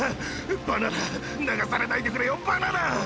バナナ流されないでくれよバナナ！